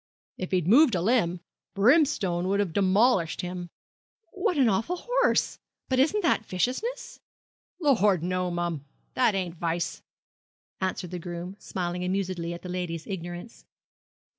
If he'd moved a limb, Brimstone 'ud have 'molished him.' 'What an awful horse! But isn't that viciousness?' 'Lor', no mum. That ain't vice,' answered the groom smiling amusedly at the lady's ignorance.